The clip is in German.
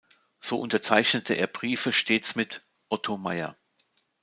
So unterzeichnete er Briefe stets mit "Otto Meyer".